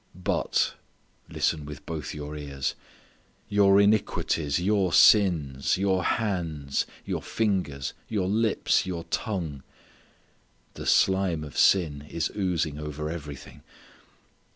"But" listen with both your ears "your iniquities ... your sins ... your hands ... your fingers ... your lips ... your tongue ..." the slime of sin is oozing over everything!